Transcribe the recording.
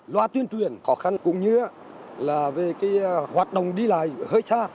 loa tuyên truyền khó khăn cũng như là về hoạt động đi lại hơi xa